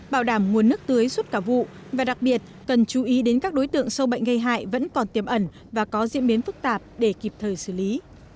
bảo đảm nguồn nước tưới suốt cả vụ và đặc biệt cần chú ý đến các đối tượng sâu bệnh gây hại vẫn còn tiềm ẩn và có diễn biến phức tạp để kịp thời xử lý